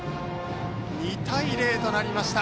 ２対０となりました。